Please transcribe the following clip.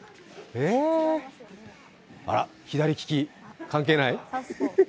あら、左利き関係ない？